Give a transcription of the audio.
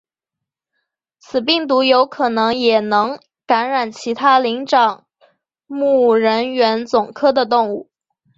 此病毒有可能也能感染其他灵长目人猿总科的动物。